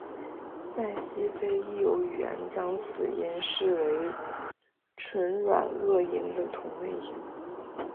在西非亦有语言将此音视为唇软腭音的同位音。